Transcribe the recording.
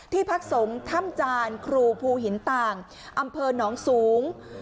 พักสงฆ์ถ้ำจานครูภูหินต่างอำเภอหนองสูง